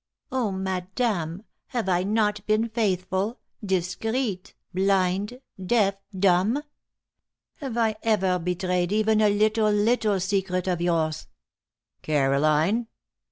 Oh, madame, have I not been faithful, discreet, blind, deaf, dumb? Have I ever betrayed even a little, little secret of yours?" "Caroline!"